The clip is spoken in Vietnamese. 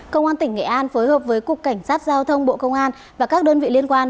công an tỉnh nghệ an phối hợp với cục cảnh sát giao thông bộ công an và các đơn vị liên quan